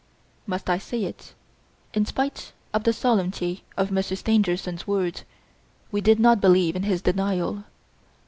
Must I say it, in spite of the solemnity of Monsieur Stangerson's words, we did not believe in his denial.